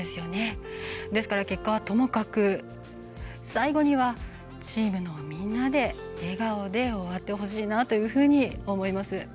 ですから、結果はともかく最後にはチームのみんなで笑顔で終わってほしいなというふうに思います。